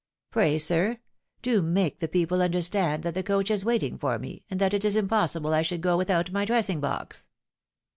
Pray, sir, do make the people understand that the coach is waiting for me, and that it is impossible I should go without my dressing box!"